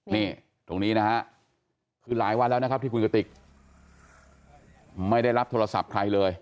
นี่ตรงนี้นะฮะคือหลายวันแล้วนะครับที่คุณกติกไม่ได้รับโทรศัพท์ใครเลย